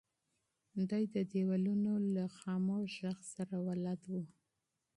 دی د دیوالونو له خاموشه غږ سره بلد و.